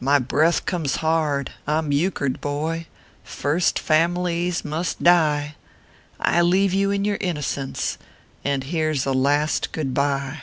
My breath comes hard I m euchred, boy First Families must die; I leave you in your innocence, And here s a last good bye.